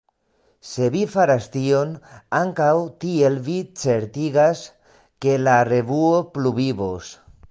Se vi faras tion, ankaŭ tiel vi certigas, ke la revuo pluvivos.